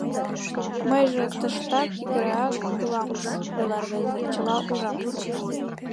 — Мыйже тыштак, йыгыреак, уламыс, — ойла рвезе, — чыла ужам.